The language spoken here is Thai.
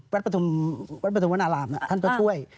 วัดปฐุมวันอารามน่ะท่านก็ช่วย